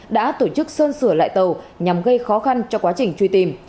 đã tổ chức sơn sửa lại tàu nhằm gây khó khăn cho quá trình truy tìm